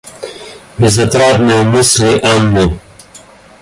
Безотрадные мысли Анны.